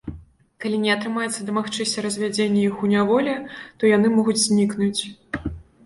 Калі не атрымаецца дамагчыся развядзення іх у няволі, то яны могуць знікнуць.